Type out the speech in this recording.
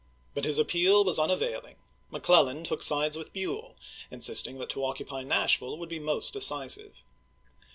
But his appeal was unavailing. McClellan took sides with Buell, insisting that to occupy Nashville would be most decisive.